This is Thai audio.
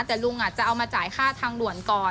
แต่ลุงจะเอามาจ่ายค่าทางด่วนก่อน